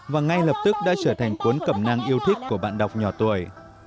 và ngay lập tức đã trở thành cuốn cẩm năng yêu thích của bạn đọc nhỏ tuổi